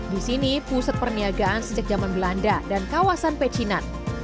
di sini pusat perniagaan sejak zaman belanda dan kawasan pecinan